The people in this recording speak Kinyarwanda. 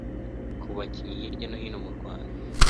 ku bakinnyi hirya no hino mu Rwanda